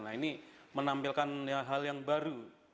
nah ini menampilkan hal yang baru